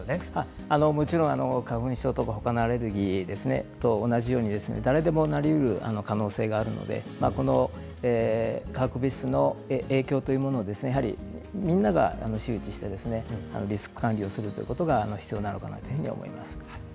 もちろん花粉症とか他のアレルギーと同じように誰でもなりうる可能性がありますので化学物質の影響というものを皆が周知してリスク管理をするということが必要なのかなというふうに思います。